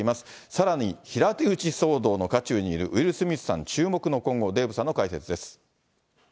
さらに、平手打ち騒動の渦中にいるウィル・スミスさん、注目の今後、デーブさんの解説です。